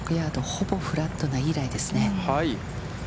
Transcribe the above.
ほぼフラットな、いいライですね。